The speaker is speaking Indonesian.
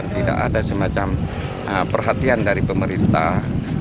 tidak ada semacam perhatian dari pemerintah